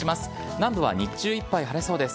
南部は日中いっぱい晴れそうです。